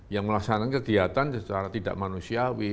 yang melaksanakan kegiatan secara tidak manusiawi